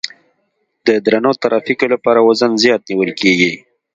د درنو ترافیکو لپاره وزن زیات نیول کیږي